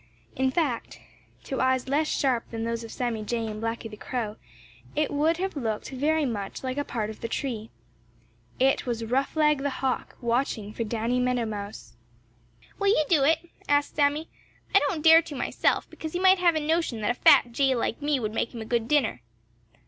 In fact, to eyes less sharp than those of Sammy Jay and Blacky the Crow, it would have looked very much like a part of the tree. It was Roughleg the Hawk watching for Danny Meadow Mouse. [Illustration: Sammy flew straight over to where Blacky was sitting.] "Will you do it?" asked Sammy. "I don't dare to myself because he might have a notion that a fat Jay like me would make him a good dinner."